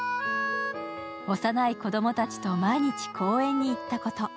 幼い子供たちと毎日、公園に行ったこと。